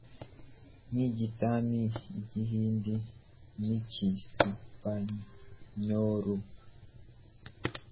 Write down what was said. nk’igitamil, igihindi n’icyesipanyoru.